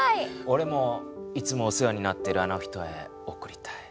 おれもいつもお世話になってるあの人へおくりたい。